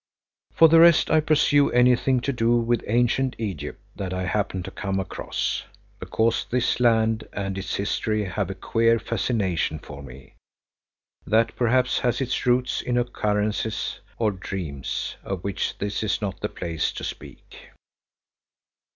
For the rest I peruse anything to do with ancient Egypt that I happen to come across, because this land and its history have a queer fascination for me, that perhaps has its roots in occurrences or dreams of which this is not the place to speak.